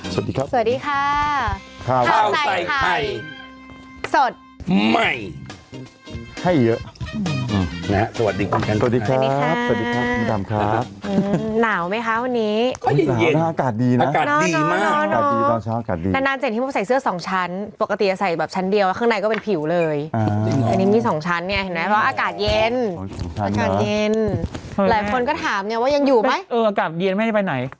สวัสดีครับสวัสดีค่ะภาพในไข่สดใหม่ให้เยอะนะสวัสดีคุณกันสวัสดีครับสวัสดีค่ะมุนตำครับอืมหนาวไหมค่ะวันนี้